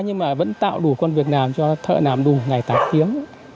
nhưng mà vẫn tạo đủ con việc làm cho thợ làm đủ ngày tác kiếm